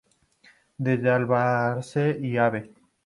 Desde Balcarce y Av.